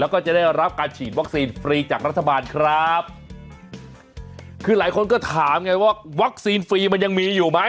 คือหลายคนก็ถามไงว่าวัคซีนฟรีมันยังมีอยู่มั้ย